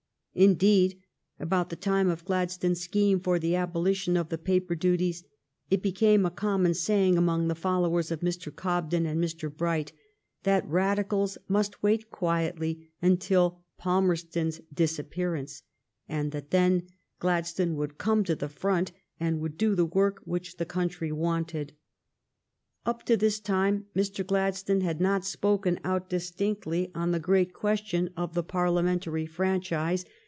Indeed, about the time of Gladstone's scheme for the abolition of the paper duties it became a com mon saying among the followers of Mr. Cobden and Mr. Bright that Radicals must wait quietly until Palmerston's disappearance, and that then Gladstone would come to the front and would do the work which the country wanted. Up to this time Mr. Gladstone had not spoken out distinctly on the great question of the Parliamentary fran 234 THE STORY OF GLADSTONE'S LIFE chise.